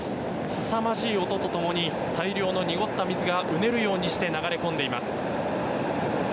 すさまじい音と共に大量の濁った水がうねるようにして流れ込んでいます。